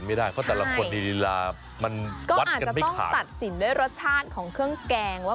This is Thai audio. ไม่ไหวแล้ว